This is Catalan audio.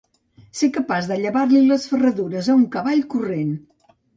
Ser capaç de llevar-li les ferradures a un cavall corrent.